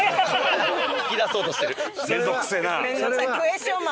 引き出そうとしてる。